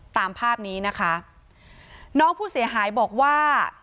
ตามภาพนี้นะคะน้องผู้เสียหายบอกว่า